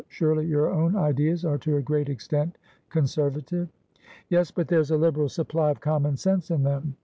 "Surely your own ideas are to a great extent conservative." "Yes, but there's a liberal supply of common sense in them!"